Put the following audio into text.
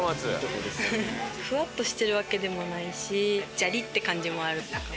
ふわっとしてるわけでもないしジャリッて感じもあるかも。